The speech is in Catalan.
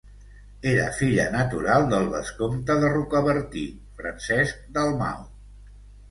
Era filla natural del vescomte de Rocabertí, Francesc Dalmau.